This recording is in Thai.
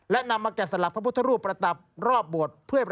และนำมาแกะสลักพระพุทธรูปประดับรอบบวช